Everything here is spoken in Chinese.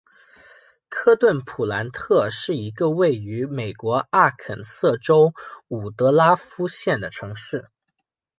科顿普兰特是一个位于美国阿肯色州伍德拉夫县的城市。